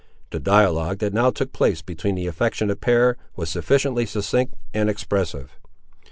The dialogue that now took place between the affectionate pair was sufficiently succinct and expressive.